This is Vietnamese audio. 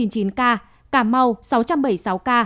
cà mau sáu trăm bảy mươi sáu ca